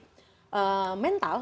mereka akan fight mental